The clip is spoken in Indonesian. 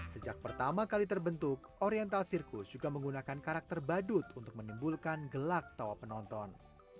sejak pertama kali terbentuk oriental sirkus juga menggunakan karakter badut untuk menimbulkan gelak tawa penonton